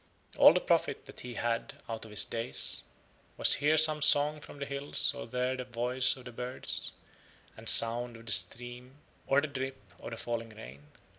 All the profit that he had out of his days was here some song from the hills or there the voice of the birds, and sound of the stream, or the drip of the falling rain.